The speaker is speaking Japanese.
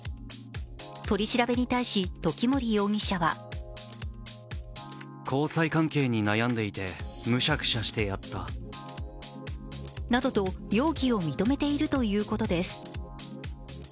取り調べに対し、時森容疑者はなどと容疑を認めているということです。